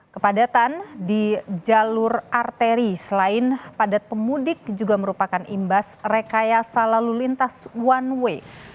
kepadatan di jalur arteri selain padat pemudik juga merupakan imbas rekayasa lalu lintas one way